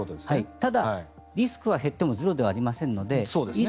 ただ、リスクは減ってもゼロではありませんのでいざ